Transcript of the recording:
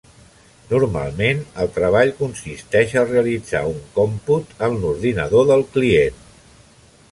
Normalment el treball consisteix a realitzar un còmput en l'ordinador del client.